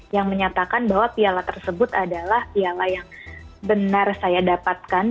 yang menyatakan bahwa piala tersebut adalah piala yang benar saya dapatkan